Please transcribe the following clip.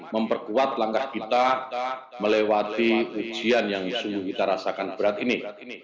memperkuat langkah kita melewati ujian yang sungguh kita rasakan berat ini